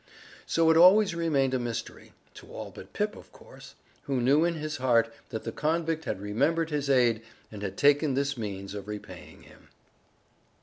So it always remained a mystery to all but Pip of course, who knew in his heart that the convict had remembered his aid and had taken this means of repaying him.